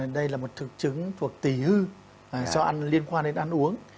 đây là một thực chứng thuộc tỷ hư do ăn liên quan đến ăn uống